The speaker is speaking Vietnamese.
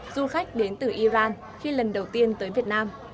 du khách đến từ iran khi lần đầu tiên tới việt nam